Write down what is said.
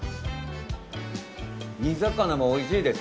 煮魚もおいしいです。